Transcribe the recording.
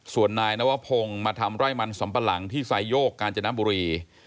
ส่วนนายนวพงศ์มาทำไร่มันสำปะหลังที่ไซโยกกาญจนบุรี